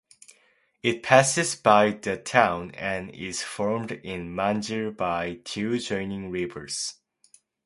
It passes by the town and is formed in Manjil by two joining rivers.